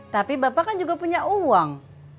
tapi bapak kan juga punya uang